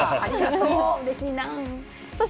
うれしいな。